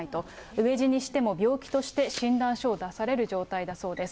飢え死にしても病気として診断書を出される状態だそうです。